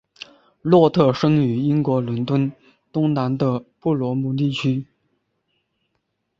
洛特生于英国伦敦东南的布罗姆利区。